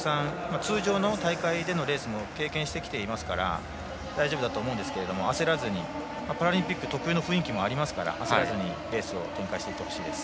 通常の大会でのレースも経験してきていますから大丈夫だと思うんですけどパラリンピック特有の雰囲気もありますから焦らずにレースを展開していってほしいです。